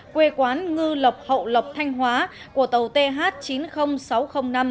quê quán ngư lộc hậu lộc thanh hóa của tàu th chín mươi nghìn sáu trăm linh năm